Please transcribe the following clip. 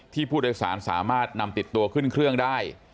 ผู้โดยสารสามารถนำติดตัวขึ้นเครื่องได้